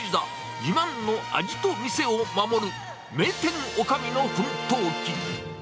自慢の味と店を守る、名店女将の奮闘記。